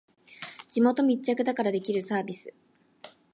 地元密着だからできるサービス